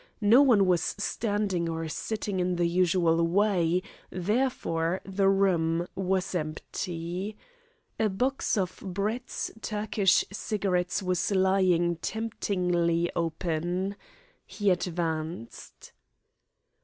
No one was standing or sitting in the usual way therefore the room was empty. A box of Brett's Turkish cigarettes was lying temptingly open. He advanced.